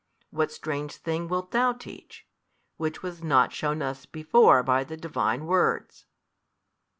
what strange thing wilt Thou teach, which was not shewn us before by the Divine words?